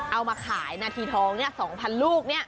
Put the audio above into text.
เอามาขายนาทีทอง๒๐๐๐ลูก